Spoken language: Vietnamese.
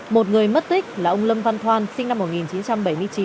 một người mất tích là ông lâm văn thoan sinh năm một nghìn chín trăm bảy mươi chín